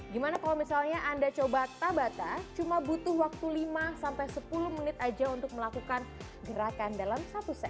gimana kalau misalnya anda coba tabata cuma butuh waktu lima sampai sepuluh menit aja untuk melakukan gerakan dalam satu set